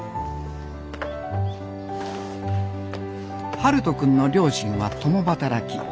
陽翔くんの両親は共働き。